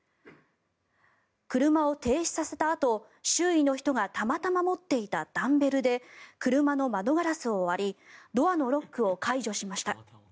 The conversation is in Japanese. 車を停止させたあと周囲の人がたまたま持っていたダンベルで車の窓ガラスを割りドアのロックを解除しました。